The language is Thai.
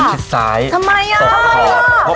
ชิดซ้ายตกพอด